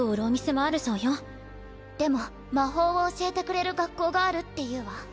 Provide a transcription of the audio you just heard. でも魔法を教えてくれる学校があるっていうわ。